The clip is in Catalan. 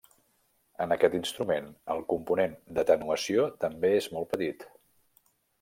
En aquest instrument, el component d'atenuació també és molt petit.